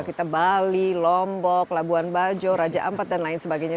kita bali lombok labuan bajo raja ampat dan lain sebagainya